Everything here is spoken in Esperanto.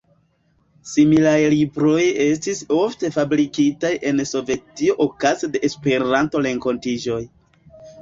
Similaj libroj estis ofte fabrikitaj en Sovetio okaze de Esperanto-renkontiĝoj.